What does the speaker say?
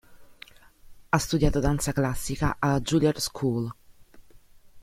Ha studiato danza classica alla Juilliard School.